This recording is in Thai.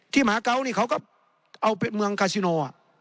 ที่หมาเกาะนี่เขาก็เอาเป็นเมืองคาซิโน่